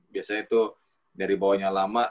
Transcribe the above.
biasanya itu dari bawahnya lama